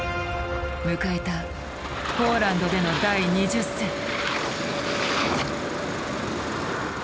迎えたポーランドでの第２０戦。